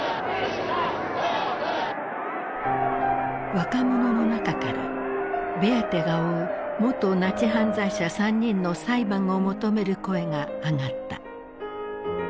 若者の中からベアテが追う元ナチ犯罪者３人の裁判を求める声が上がった。